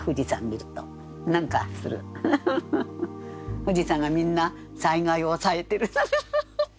富士山がみんな災害を抑えてる。